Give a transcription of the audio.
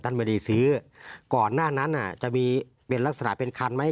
ท่านไม่ได้ซื้อก่อนหน้านั้นจะมีเป็นลักษณะเป็นคันไหม